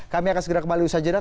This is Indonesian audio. kami akan segera kembali usaha jeda